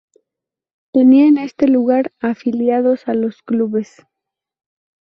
Tenía en este lugar afiliados a los clubes.